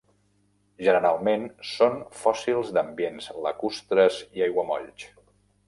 Generalment són fòssils d'ambients lacustres i aiguamolls.